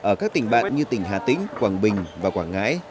ở các tỉnh bạn như tỉnh hà tĩnh quảng bình và quảng ngãi